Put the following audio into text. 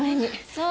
そう。